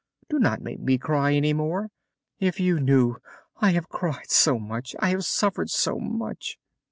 Do not make me cry any more! If you knew I have cried so much, I have suffered so much."